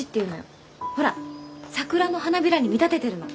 ほら桜の花びらに見立ててるの。